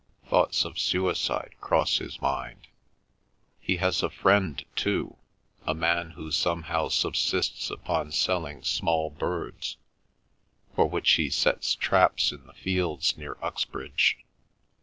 Thoughts of suicide cross his mind. He has a friend, too, a man who somehow subsists upon selling small birds, for which he sets traps in the fields near Uxbridge.